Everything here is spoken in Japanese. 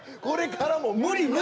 これからも無理。